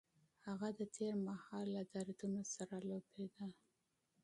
هغه د تېر مهال له دردونو سره لوبېده.